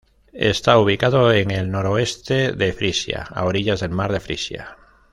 Está ubicado en el noroeste de Frisia, a orillas del mar de Frisia.